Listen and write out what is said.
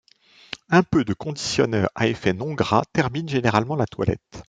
Un peu de conditionneur à effet non gras termine généralement la toilette.